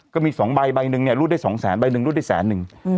ก็มี๒ใบใบหนึ่งเนี่ยรูดได้สองแสนใบหนึ่งรูดได้แสนหนึ่ง